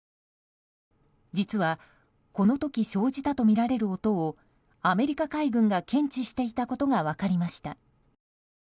実は、この時生じたとみられる音をアメリカ海軍が検知していたことが分かりました。